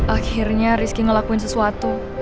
akhirnya rizky ngelakuin sesuatu